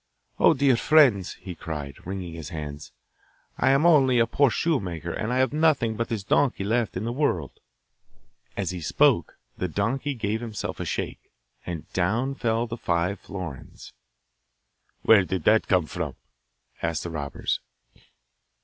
'Oh, dear friends!' he cried, wringing his hands, 'I am only a poor shoemaker, and have nothing but this donkey left in the world.' As he spoke the donkey gave himself a shake, and down fell the five florins. 'Where did that come from?' asked the robbers.